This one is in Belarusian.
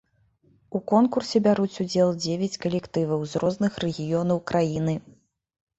У конкурсе бяруць удзел дзевяць калектываў з розных рэгіёнаў краіны.